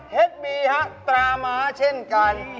เฮ็ดบีตราม้าเช่นกัน